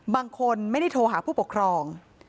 บางคนไม่ได้โทรหาผู้ปกครอง